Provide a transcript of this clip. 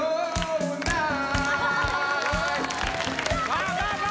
まあまあま